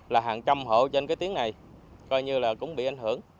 là hàng trăm hộ trên cái tiếng này coi như là cũng bị ảnh hưởng